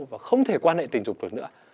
và không thể quan hệ tình dục được nữa